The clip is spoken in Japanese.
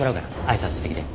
挨拶してきて。